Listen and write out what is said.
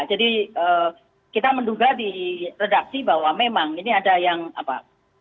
jadi kita menduga di redaksi bahwa memang ini ada yang apa